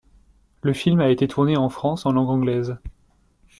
Le film a été tourné en France en langue anglaise.